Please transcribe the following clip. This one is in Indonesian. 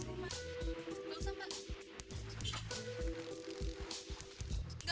nggak usah pak